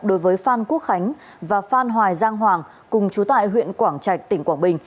đối với phan quốc khánh và phan hoài giang hoàng cùng chú tại huyện quảng trạch tỉnh quảng bình